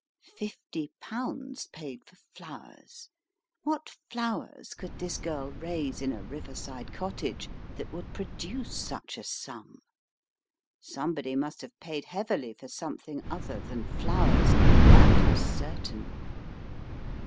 Fifty pounds paid for flowers. What flowers could this girl raise in a riverside cottage that would produce such a sum? Somebody must have paid heavily for something other than flowers; that was certain.